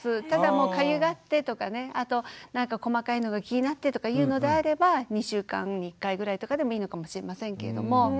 ただかゆがってとか細かいのが気になってとかいうのであれば２週間に１回ぐらいとかでもいいのかもしれませんけれども。